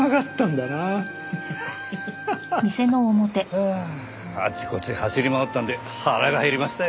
はああちこち走り回ったんで腹が減りましたよ。